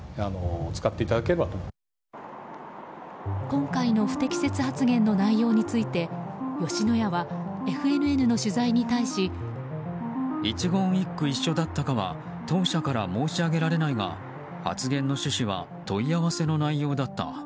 今回の不適切発言の内容について吉野家は、ＦＮＮの取材に対し一言一句一緒だったかは当社から申し上げられないが発言の趣旨は問い合わせの内容だった。